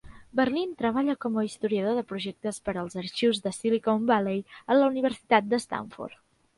Berlin treballa com a historiador de projectes per als Arxius de Silicon Valley a la Universitat d'Stanford.